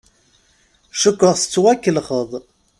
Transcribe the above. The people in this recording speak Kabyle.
Cukkeɣ tettwakellexeḍ.